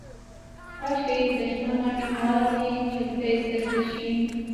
کاشکې د شنه غمي واله جلکۍ تدریس شي.